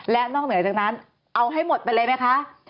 และนอกเหนือจากนั้นเอาให้หมดไปเลยไหมคะ